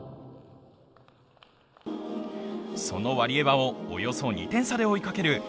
そのワリエワをおよそ２点差で追いかける